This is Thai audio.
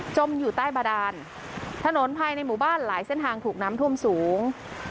อยู่ใต้บาดานถนนภายในหมู่บ้านหลายเส้นทางถูกน้ำท่วมสูง